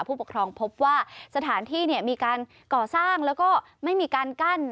ผู้ปกครองพบว่าสถานที่มีการก่อสร้างแล้วก็ไม่มีการกั้น